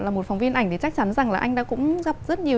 là một phóng viên ảnh thì chắc chắn rằng là anh đã cũng gặp rất nhiều